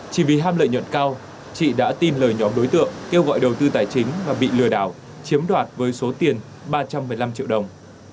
chỉ vì ham lợi nhuận cao chị đã tin lời nhóm đối tượng kêu gọi đầu tư tài chính và bị lừa đảo chiếm đoạt với số tiền ba trăm một mươi năm triệu đồng